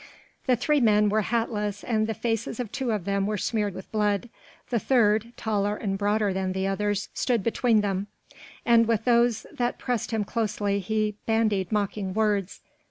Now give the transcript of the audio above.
The three men were hatless and the faces of two of them were smeared with blood. The third taller and broader than the others stood between them, and with those that pressed him closely he bandied mocking words.